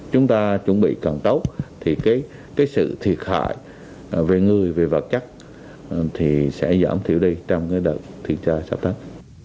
chúng ta chuẩn bị cẩn thấu thì cái sự thiệt hại về người về vật chất thì sẽ giảm thiểu đi trong cái đợt thiết tra sắp thắt